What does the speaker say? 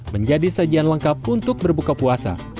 menjadi sajian lengkap untuk berbuka puasa